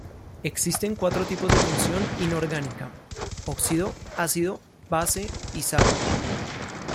Existen cuatro tipos de función inorgánica: óxido, ácido, base y sal.